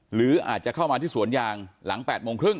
หรืออาจจะเข้ามาที่สวนยางหลัง๘โมงครึ่ง